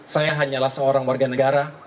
saya hanyalah seorang warga negara